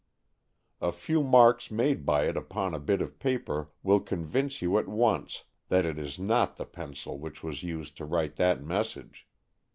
A few marks made by it upon a bit of paper will convince you at once that it is not the pencil which was used to write that message.